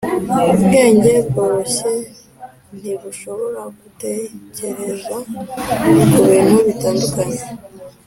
ubwenge bworoshye ntibushobora gutekereza kubintu bitandukanye